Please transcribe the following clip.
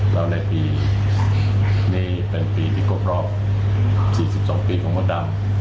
แล้วในปีนี้เป็นปีที่ครบรอบ๔๒ปีของมดดำ